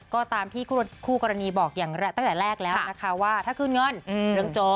ก็ตามที่คู่กรณีบอกอย่างตั้งแต่แรกแล้วนะคะว่าถ้าคืนเงินเรื่องโจ